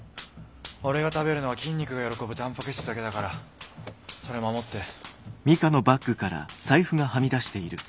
オレが食べるのは筋肉が喜ぶタンパク質だけだからそれ守って。